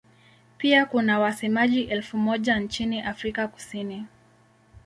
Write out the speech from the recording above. Pia kuna wasemaji elfu moja nchini Afrika Kusini.